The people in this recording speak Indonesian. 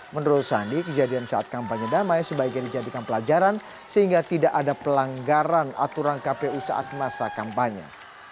menurut sandi kejadian saat kampanye damai sebaiknya dijadikan pelajaran sehingga tidak ada pelanggaran aturan kpu saat masa kampanye